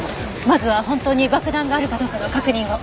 まずは本当に爆弾があるかどうかの確認を。